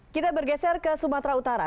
kita bergeser ke sumatera utara